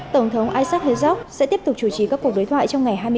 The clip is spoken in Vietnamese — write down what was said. tổng thống isaac hezok sẽ tiếp tục chủ trì các cuộc đối thoại trong ngày hai mươi chín tháng ba